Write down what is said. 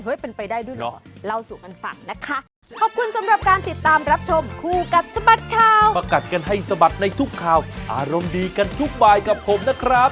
เฮ้ยมันไปได้ด้วยหรอ